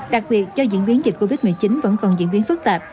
đặc biệt do diễn biến dịch covid một mươi chín vẫn còn diễn biến phức tạp